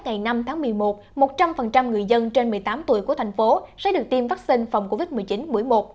ngày năm tháng một mươi một một trăm linh người dân trên một mươi tám tuổi của thành phố sẽ được tiêm vaccine phòng covid một mươi chín mũi một